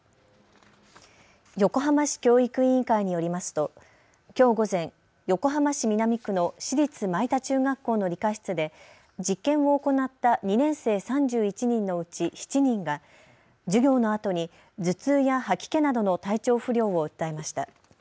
横浜市教育委員会によりますときょう午前、横浜市南区の市立蒔田中学校の理科室で実験を行った２年生３１人のうち７人が授業のあとに頭痛や吐き気などの体調不良を訴えました。